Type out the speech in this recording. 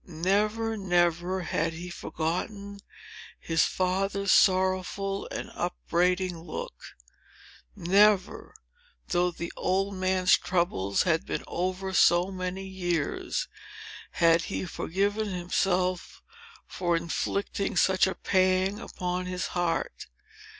Never, never, had he forgotten his father's sorrowful and upbraiding look. Never—though the old man's troubles had been over so many years—had he forgiven himself for inflicting such a pang upon his heart.